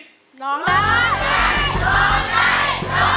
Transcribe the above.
ร้องได้